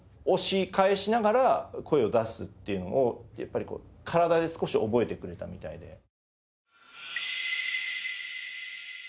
押し返しながら声を出すっていうのをやっぱりこう体で少し覚えてくれたみたいで。